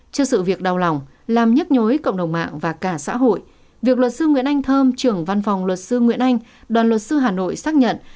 trước sự việc đau lòng làm nhức nhối cộng đồng mạng và cả xã hội việc luật sư nguyễn anh thơm trưởng văn phòng luật sư nguyễn anh đoàn luật sư hà nội xác nhận